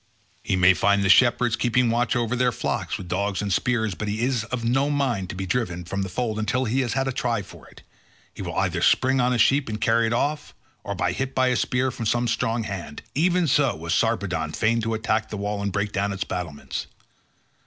He may find the shepherds keeping watch over their flocks with dogs and spears, but he is in no mind to be driven from the fold till he has had a try for it; he will either spring on a sheep and carry it off, or be hit by a spear from some strong hand—even so was Sarpedon fain to attack the wall and break down its battlements.